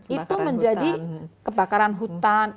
itu menjadi kebakaran hutan